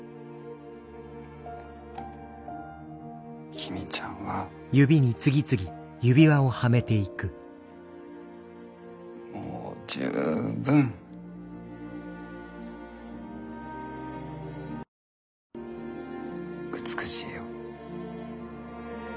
公ちゃんはもう十分美しいよ。